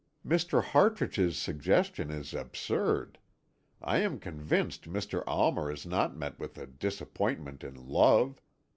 "Mr. Hartrich's suggestion is absurd; I am convinced Mr. Almer has not met with a disappointment in love.